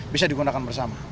bisa digunakan bersama